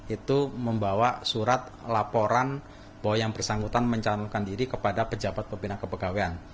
itu membawa surat laporan bahwa yang bersangkutan mencalonkan diri kepada pejabat pembina kepegawaian